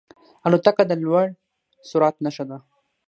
الوتکه د لوړ سرعت نښه ده.